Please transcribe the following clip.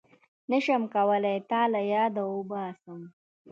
نشم کولای تا له ياده وباسم